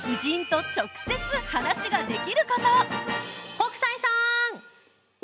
北斎さん！